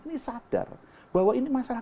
ini sadar bahwa ini masalah